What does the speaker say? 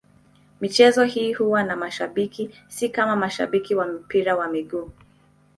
Michezo hii huwa na mashabiki, si kama mashabiki wa mpira wa miguu.